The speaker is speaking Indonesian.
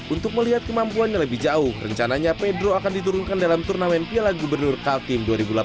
untuk melihat kemampuannya lebih jauh rencananya pedro akan diturunkan dalam turnamen piala gubernur kaltim dua ribu delapan belas